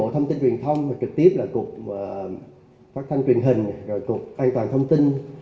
trực tiếp là cục phát thanh truyền hình cục an toàn thông tin